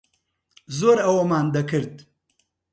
زۆر ئەوەمان دەکرد.